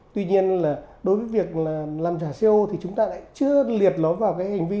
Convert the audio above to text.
tuy nhiên là đối với việc là làm giả co thì chúng ta lại chưa liệt nó vào cái hành vi